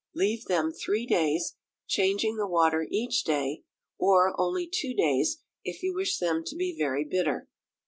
Leave them three days, changing the water each day; or only two days if you wish them to be very bitter.